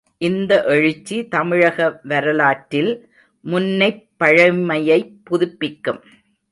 இந்த எழுச்சி தமிழக வரலாற்றில் முன்னைப் பழமையைப் புதுப்பிக்கும்.